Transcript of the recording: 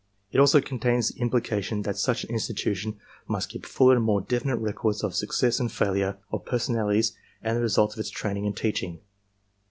It also contains the implication that such an institution must keep fuller and more definite records of success and failure, of per sonalities and of the results of its training and teaching.